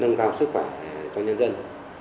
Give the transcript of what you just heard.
nâng cao sức khỏe cho nhân dân